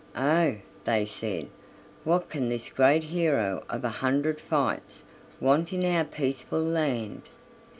"Oh!" they said, "what can this great hero of a hundred fights want in our peaceful land?